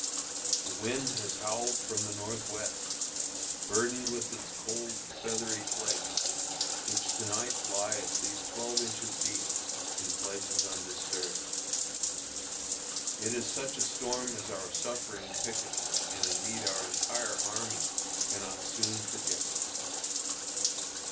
The wind has howled from the north west, burdened with its cold, feathery flakes, which to night lie at least twelve inches deep in places undisturbed. It is such a storm as our suffering pickets, and indeed our entire army, cannot soon forget.